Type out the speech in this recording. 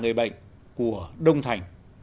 người bệnh của đông thành